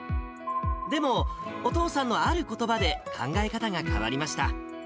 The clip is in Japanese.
でも、お父さんのあることばで考え方が変わりました。